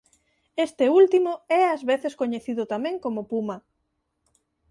Este último é ás veces coñecido tamén como "Puma".